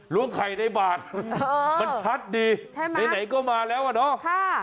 ล้วงไข่ในบาทมันชัดดีไหนก็มาแล้วอ่ะเนาะ